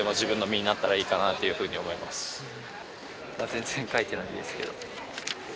全然書いてないんですけど。